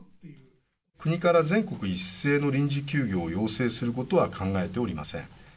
国から全国一斉の臨時休業を要請することは考えておりません。